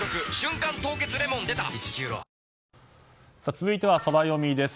続いてはソラよみです。